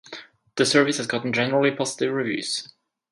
The service has gotten generally positive reviews.